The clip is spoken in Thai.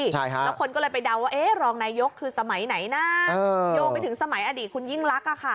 แล้วคนก็เลยไปเดาว่ารองนายกคือสมัยไหนนะโยงไปถึงสมัยอดีตคุณยิ่งลักษณ์